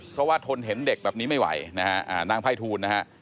เพราะว่าทนเห็นเด็กแบบนี้ไม่ไหวนะฮะ